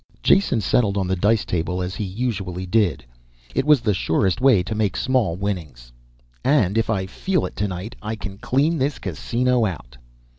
Jason settled on the dice table as he usually did. It was the surest way to make small winnings. _And if I feel it tonight I can clean this casino out!